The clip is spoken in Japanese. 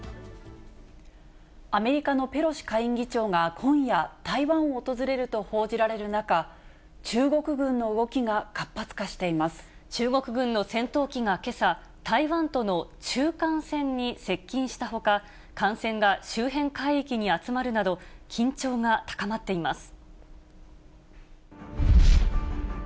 アメリカのペロシ下院議長が今夜、台湾を訪れると報じられる中、中国軍の動きが活発化してい中国軍の戦闘機がけさ、台湾との中間線に接近したほか、艦船が周辺海域に集まるなど、緊張が高まっています。